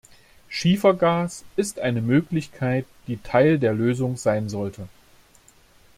Schiefergas ist eine Möglichkeit, die Teil der Lösung sein sollte.